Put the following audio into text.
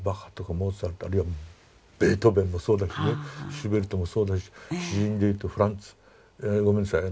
モーツァルトあるいはベートーベンもそうだしねシューベルトもそうだし詩人でいうとフランツごめんなさい。